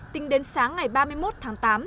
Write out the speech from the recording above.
tính đến sáng ngày ba mươi một tháng tám